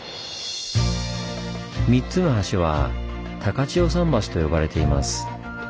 ３つの橋は「高千穂三橋」と呼ばれています。